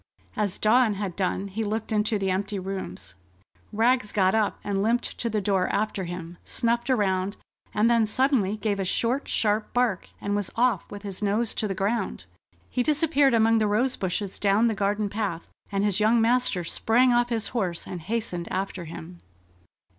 As Dawn had done, he looked into the empty rooms. Rags got up and limped to the door after him, snuffed around, and then suddenly gave a short, sharp bark, and was off with his nose to the ground. He disappeared among the rose bushes down the garden path, and his young master sprang off his horse and hastened after him.